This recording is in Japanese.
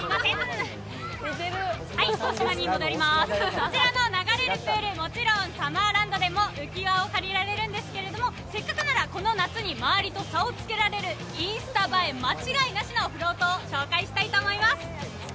こちらの流れるプール、もちろんサマーランドでも浮き輪を借りられるんですけど、せっかくならこの夏、周りと差をつけられるインスタ映え間違いなしのフロートを紹介したいと思います。